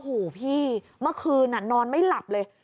หูพี่เมื่อคืนน่ะนอนไม่หลับเลย